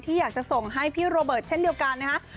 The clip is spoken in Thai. ที่อยากจะส่งให้พี่โรเบิร์ตเช่นเดียวกันไงครับ